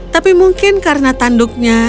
tapi mungkin karena tanduknya